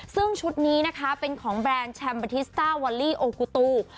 ซึ่งชุดนี้นะคะเป็นของแบรนด์แชมเบอร์ทิสต้าวอลลี่โอกูตู